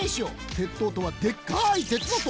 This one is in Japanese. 鉄塔とはでっかい鉄の塔！